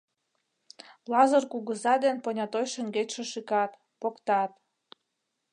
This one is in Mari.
Лазыр кугыза ден понятой шеҥгечше шӱкат, поктат.